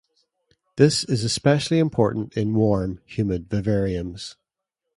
This is especially important in warm, humid vivariums.